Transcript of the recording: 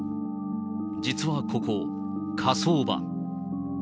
実はここ、火葬場。